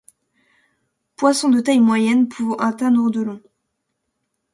Poisson de taille moyenne pouvant atteindre de long.